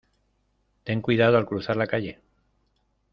Ten cuidado al cruzar la calle.